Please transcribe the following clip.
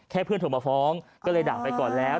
เพื่อนโทรมาฟ้องก็เลยด่าไปก่อนแล้ว